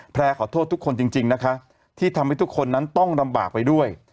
ขอโทษทุกคนจริงนะคะที่ทำให้ทุกคนนั้นต้องลำบากไปด้วย